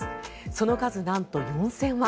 その数、なんと４０００羽。